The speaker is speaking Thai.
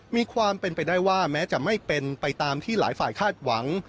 มีความเป็นไปได้ว่าแม้จะไม่เป็นไปตามที่หลายฝ่ายคาดหวัง